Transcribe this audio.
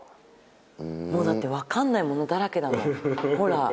もうだってわかんないものだらけだもんほら